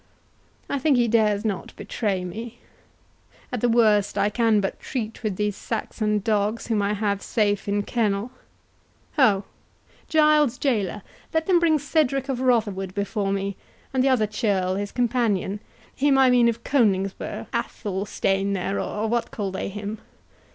I think he dares not betray me—at the worst I can but treat with these Saxon dogs whom I have safe in kennel.—Ho! Giles jailor, let them bring Cedric of Rotherwood before me, and the other churl, his companion—him I mean of Coningsburgh—Athelstane there, or what call they him?